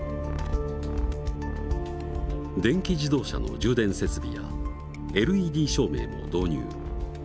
電気自動車の充電設備やＬＥＤ照明も導入。